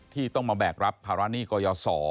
ที่ต้องมาแบกรับภาระหนี้กยศ